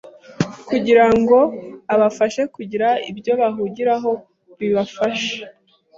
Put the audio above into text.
kugira ngo abafashe kugira ibyo bahugiraho bibafasha